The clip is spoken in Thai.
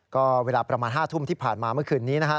ก็เวลาประมาณ๕ทุ่มที่ผ่านมาเมื่อคืนนี้นะฮะ